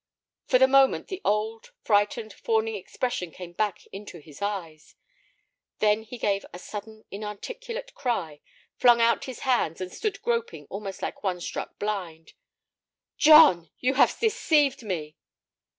For the moment the old, frightened, fawning expression came back into his eyes. Then he gave a sudden, inarticulate cry, flung out his hands, and stood groping almost like one struck blind. "John, you have deceived me!"